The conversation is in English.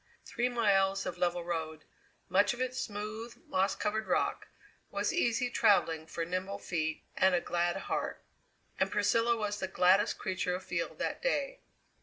Three miles of level road, much of it smooth, moss covered rock, was easy travelling for nimble feet and a glad heart. And Priscilla was the gladdest creature afield that day.